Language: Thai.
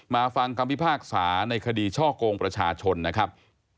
ฟังคำพิพากษาในคดีช่อกงประชาชนนะครับ